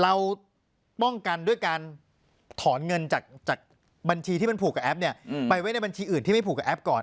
เราป้องกันด้วยการถอนเงินจากบัญชีที่มันผูกกับแอปเนี่ยไปไว้ในบัญชีอื่นที่ไม่ผูกกับแอปก่อน